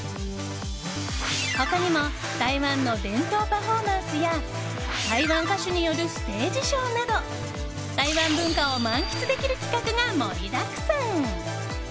他にも台湾の伝統パフォーマンスや台湾歌手によるステージショーなど台湾文化を満喫できる企画が盛りだくさん。